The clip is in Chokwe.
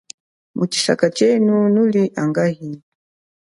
Mutshisaka tshenu nuli angahi.